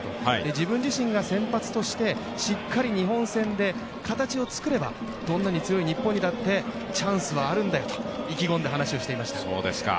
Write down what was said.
自分自身が先発としてしっかり日本戦で形を作ればどんなに強い日本にだってチャンスはあるんだよと意気込んで話をしていました。